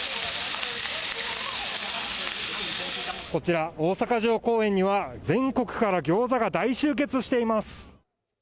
こちら、大阪城公園には、全国から餃子が大集結しています。